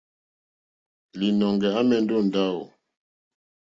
Līnɔ̄ŋgɛ̄ à mɛ̀ndɛ́ ó ndáwù.